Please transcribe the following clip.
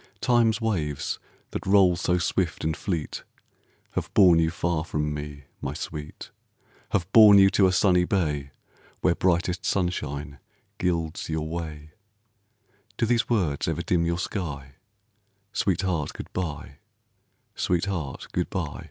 Time's waves that roll so swift and fleet Have borne you far from me, my sweet, Have borne you to a sunny bay, Where brightest sunshine gilds your way, Do these words ever dim your sky Sweetheart, good by, sweetheart, good by?